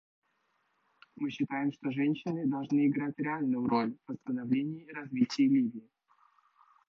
Мы считаем, что женщины должны играть реальную роль в восстановлении и развитии Ливии.